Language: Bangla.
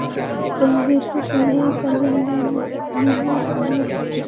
সংগীতে তিনি তালিম নেন নীনা হামিদ, কৃষ্ণকান্ত আচার্য, ইন্দ্রমোহন রাজবংশী প্রমুখের কাছে।